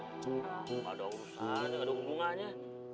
iya gak ada urusan gak ada urungannya